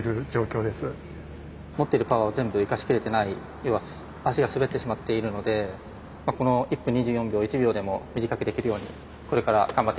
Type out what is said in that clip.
持ってるパワーを全部生かしきれてない要は脚が滑ってしまっているのでこの１分２４秒を１秒でも短くできるようにこれから頑張っていきたいと思います。